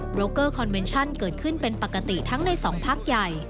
โกเกอร์คอนเวนชั่นเกิดขึ้นเป็นปกติทั้งในสองพักใหญ่